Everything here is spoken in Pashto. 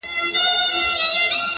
• اوس مي د زړه پر تكه سپينه پاڼه؛